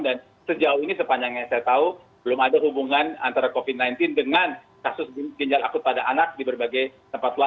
dan sejauh ini sepanjangnya saya tahu belum ada hubungan antara covid sembilan belas dengan kasus ginjal akut pada anak di berbagai tempat luar